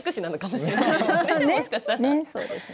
もしかしたら。